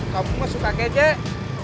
kamu suka gejek